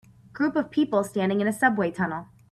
Group of people standing in a subway tunnel.